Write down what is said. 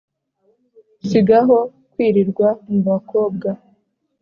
sigaho kwirirwa mu bakobwa